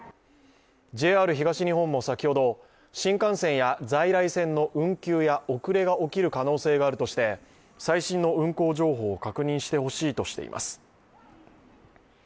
ＪＲ東日本も先ほど、新幹線や在来線の運休や遅れが起きる可能性があるとして最新の運行情報を確認してほしいとしています。